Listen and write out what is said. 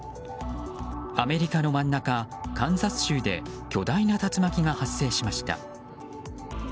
アメリカの真ん中カンザス州で巨大な竜巻が発生しました。